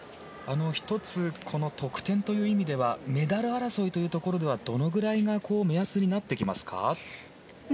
１つ、得点という意味ではメダル争いでは、どのぐらいが目安になってきますか？